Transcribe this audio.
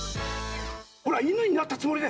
ほらいぬになったつもりで！